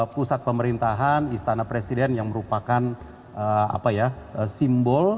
pusat pemerintahan istana presiden yang merupakan simbol